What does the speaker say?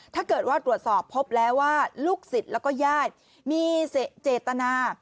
ถ้าเกิดว่าตรวจสอบพบแล้วว่าลูกศิษย์แล้วก็ญาติมีเจตนา